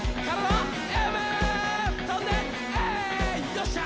よっしゃ！